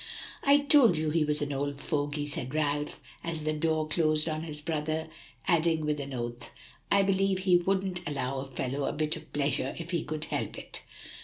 "I told you he was an old fogy," said Ralph, as the door closed on his brother, adding with an oath, "I believe he wouldn't allow a fellow a bit of pleasure if he could help it."